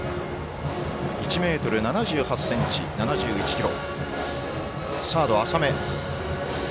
１ｍ７８ｃｍ、７１ｋｇ。